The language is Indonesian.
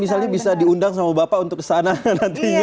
misalnya bisa diundang sama bapak untuk ke sana nantinya